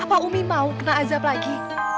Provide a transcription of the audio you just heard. apa umi mau kena azab lagi